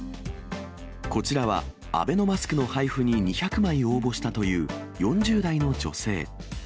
こちらは、アベノマスクの配布に２００枚応募したという４０代の女性。